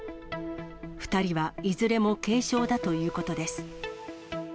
２人はいずれも軽傷だということです。